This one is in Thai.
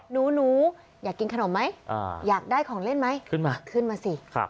หนูอยากกินขนมไหมอยากได้ของเล่นไหมขึ้นมาขึ้นมาสิ